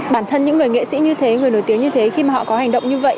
bản thân những người nghệ sĩ như thế người nổi tiếng như thế khi mà họ có hành động như vậy